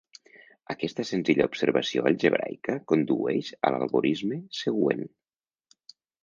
Aquesta senzilla observació algebraica condueix a l'algorisme següent.